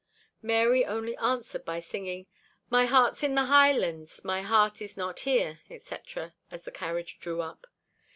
Mary only answered by singing, "My heart's in the Highlands, my heart is not here," etc., as the carriage drew up.